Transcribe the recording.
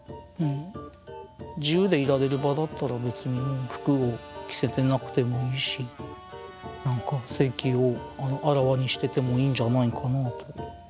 自由でいられる場だったら別に服を着せてなくてもいいし何か性器をあらわにしててもいいんじゃないかなと。